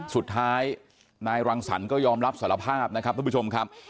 สุดท้ายนายรังสรรค์ก็ยอมรับสารภาพนะครับทุกผู้ชมครับ